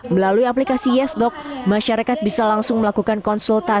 melalui aplikasi yesdoc masyarakat bisa langsung melakukan konsul dan telekonsul